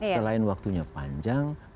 selain waktunya panjang